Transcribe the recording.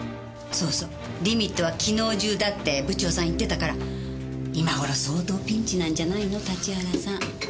そうそうリミットは昨日中だって部長さん言ってたから今頃相当ピンチなんじゃないの立原さん。